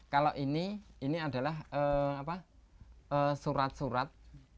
kalau ini ini adalah surat surat